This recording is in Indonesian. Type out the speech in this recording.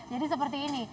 jadi seperti ini